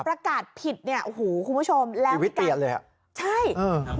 ประกาศผิดเนี่ยโอ้โหคุณผู้ชมแล้ววิเตียนเลยฮะใช่เออครับ